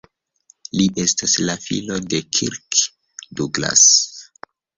Li estas la filo de Kirk Douglas.